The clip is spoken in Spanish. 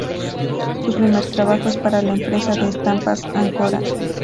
Su primer trabajo es para la empresa de estampas Ancora.